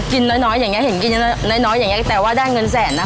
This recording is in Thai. น้อยอย่างนี้เห็นกินน้อยอย่างนี้แต่ว่าได้เงินแสนนะคะ